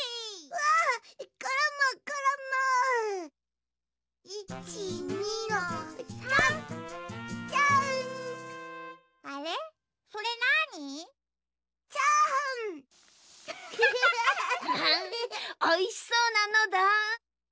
おいしそうなのだ。